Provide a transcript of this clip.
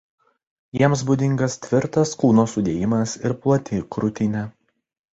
Jiems būdingas tvirtas kūno sudėjimas ir plati krūtinė.